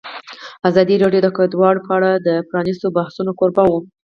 ازادي راډیو د کډوال په اړه د پرانیستو بحثونو کوربه وه.